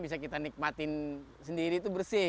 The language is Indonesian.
bisa kita nikmatin sendiri itu bersih